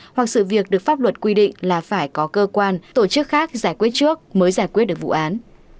hoặc sự việc được pháp luật quy định là phải có cơ quan tổ chức khác giải quyết trước mới giải quyết được vụ án